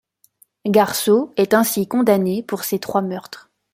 Garceau est ainsi condamné pour ces trois meurtres.